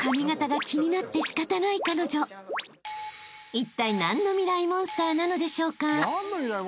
［いったい何のミライ☆モンスターなのでしょうか？］